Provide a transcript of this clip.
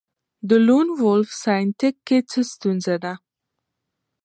د لون وولف ساینتیک کې څه ستونزه ده